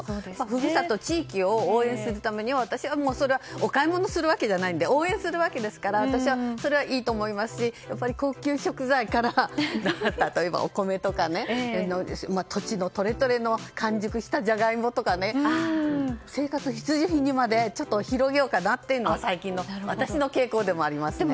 ふるさと、地域を応援するためにはお買いものするわけじゃなくて応援するわけですから私は、それはいいと思いますし高級食材から、例えばお米とか土地の、とれとれの完熟したジャガイモとか生活必需品にまで広げようかなと最近の私の傾向でもありますね。